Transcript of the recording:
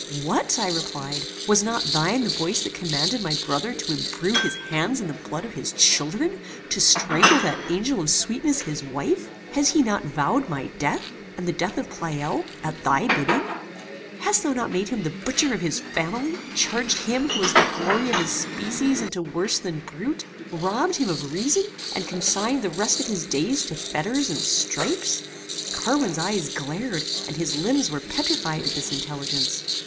"What!" I replied, "was not thine the voice that commanded my brother to imbrue his hands in the blood of his children to strangle that angel of sweetness his wife? Has he not vowed my death, and the death of Pleyel, at thy bidding? Hast thou not made him the butcher of his family; changed him who was the glory of his species into worse than brute; robbed him of reason, and consigned the rest of his days to fetters and stripes?" Carwin's eyes glared, and his limbs were petrified at this intelligence.